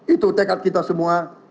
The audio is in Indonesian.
itu tekad kita semua